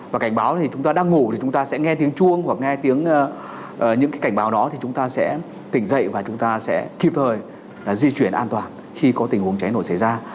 và cảnh báo thì chúng ta đang ngủ thì chúng ta sẽ nghe tiếng chuông hoặc nghe tiếng những cái cảnh báo đó thì chúng ta sẽ tỉnh dậy và chúng ta sẽ kịp thời di chuyển an toàn khi có tình huống cháy nổ xảy ra